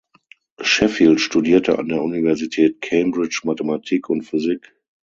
Sheffield studierte an der Universität Cambridge Mathematik und Physik.